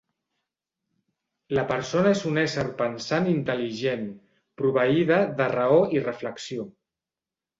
La persona és un ésser pensant i intel·ligent, proveïda de raó i reflexió.